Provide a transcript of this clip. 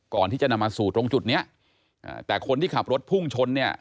ก่อนที่จะนำมาสู่ตรงจุดเนี้ยอ่าแต่คนที่ขับรถพุ่งชนเนี่ย